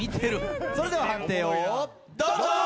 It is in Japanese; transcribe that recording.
それでは判定をどうぞ！